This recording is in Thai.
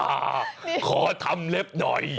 ขอทำเล็บหน่อย